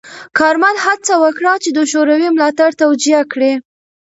کارمل هڅه وکړه چې د شوروي ملاتړ توجیه کړي.